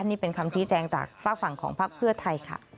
นี่เป็นคำชี้แจงจากฝากฝั่งของพักเพื่อไทยค่ะ